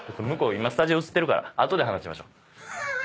今スタジオ映ってるから後で話しましょう。